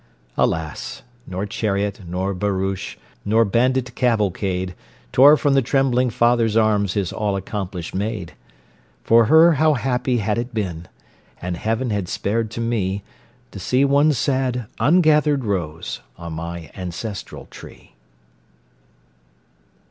Alas! nor chariot, nor barouche, Nor bandit cavalcade Tore from the trembling father's arms His all accomplished maid. For her how happy had it been! And Heaven had spared to me To see one sad, ungathered rose On my ancestral tree.